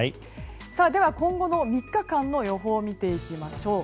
では今後の３日間の予報を見ていきましょう。